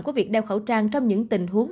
của việc đeo khẩu trang trong những tình huống